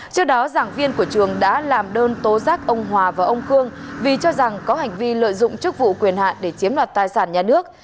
trước đó giảng viên của trường đã làm đơn tố giác ông hòa và ông khương vì cho rằng có hành vi lợi dụng chức vụ quyền hạn để chiếm đoạt tài sản nhà nước